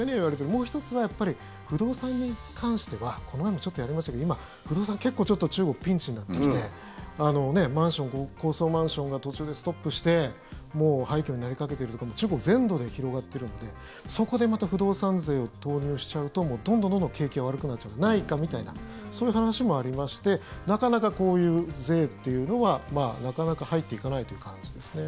もう１つは、やっぱり不動産に関してはこの前もちょっとやりましたけど今、不動産結構、中国ピンチになってきてマンション、高層マンションが途中でストップしてもう廃虚になりかけてるとか中国全土で広がっているのでそこでまた不動産税を投入しちゃうとどんどん景気が悪くなっちゃうんじゃないかみたいなそういう話もありましてなかなかこういう税っていうのはなかなか入っていかないという感じですね。